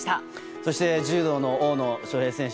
そして柔道の大野将平選手